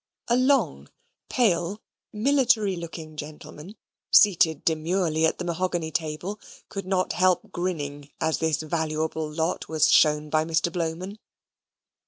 A long, pale, military looking gentleman, seated demurely at the mahogany table, could not help grinning as this valuable lot was shown by Mr. Blowman.